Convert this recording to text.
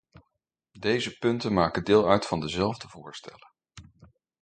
Deze punten maken deel uit van dezelfde voorstellen.